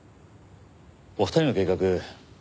お二人の計画